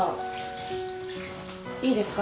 いいですか？